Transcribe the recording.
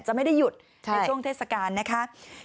จะไม่ได้หยุดในช่วงเทศกาลนะคะ